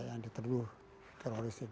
yang di terduduk teroris ini